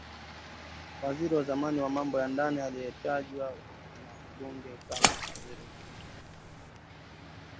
waziri wa zamani wa mambo ya ndani aliyetajwa na bunge kama waziri mkuu